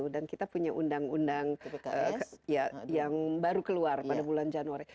dan kita punya undang undang yang baru keluar pada bulan januari